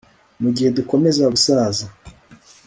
Mugihe dukomeza gusaza